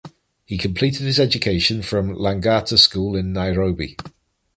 He completed his education from Lang’ata High School in Nairobi.